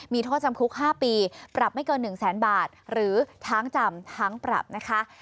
มีโทษจำคุก๕ปีปรับไม่เกิน๑แสนบาทหรือทั้งจำทั้งปรับนะคะ